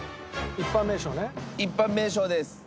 一般名称です。